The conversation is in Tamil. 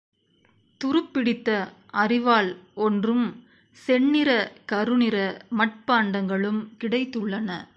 துருப் பிடித்த அரிவாள் ஒன்றும், செந்நிற, கருநிற மட்பாண்டங்களும் கிடைத்துள்ளன.